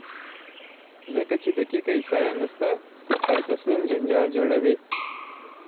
ځکه چې دقیقه احصایه نشته دی او تصمیم جنجال جوړوي،